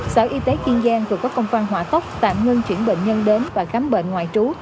sở y tế kiên giang vừa có công văn hỏa tốc tạm ngưng chuyển bệnh nhân đến và khám bệnh ngoại trú